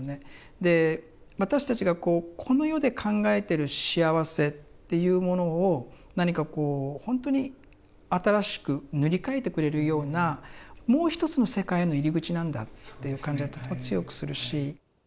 で私たちがこうこの世で考えてる幸せっていうものを何かこうほんとに新しく塗り替えてくれるようなもう一つの世界の入り口なんだっていう感じはとても強くするし。